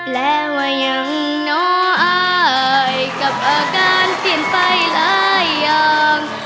แล้วว่ายังน้อยอายกับอาการเปลี่ยนไปหลายอย่าง